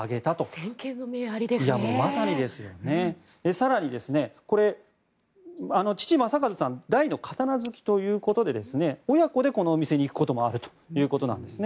更に父・正和さんは大の刀好きということで親子でこのお店に行くこともあるということです。